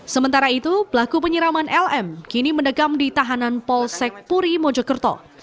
sementara itu pelaku penyiraman lm kini mendegam di tahanan polsek puri mojokerto